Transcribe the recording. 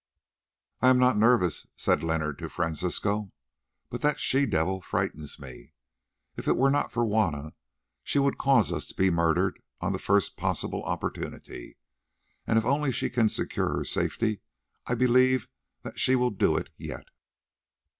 "I am not nervous," said Leonard to Francisco, "but that she devil frightens me. If it were not for Juanna, she would cause us to be murdered on the first possible opportunity, and if only she can secure her safety, I believe that she will do it yet."